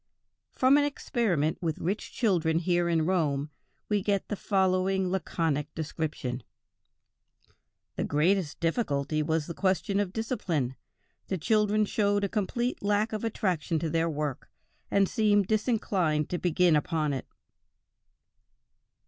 From an experiment with rich children here in Rome, we get the following laconic description: "The greatest difficulty was the question of discipline. The children showed a complete lack of attraction to their work, and seemed disinclined to begin upon it."